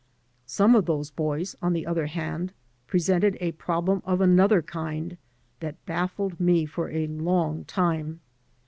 Some of those boys, on the other hand, presented a problem of another kind that baffled me for a long time.